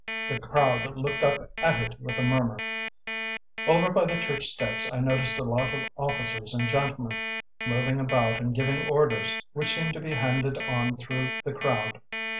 The crowd looked up at it with a murmur. "Over by the church steps I noticed a lot of officers and gentlemen moving about and giving orders, which seemed to be handed on through the crowd.